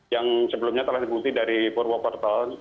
yang sebelumnya telah dibuntuti dari bupati tasdi